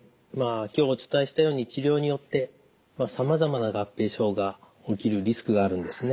今日お伝えしたように治療によってさまざまな合併症が起きるリスクがあるんですね。